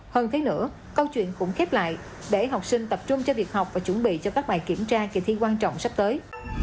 hơn thế nữa câu chuyện cũng khép lại để học sinh tập trung cho việc học và chuẩn bị cho các bài kiểm tra kỳ thi quan trọng sắp tới